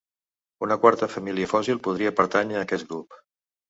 Una quarta família fòssil podria pertànyer a aquest grup.